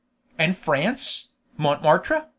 "And France? Montmartre?"